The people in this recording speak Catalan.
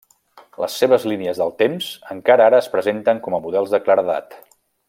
Les seves línies del temps encara ara es presenten com a models de claredat.